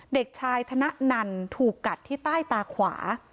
เด็กชายธนนันถูกกัดที่ใต้ตาขวา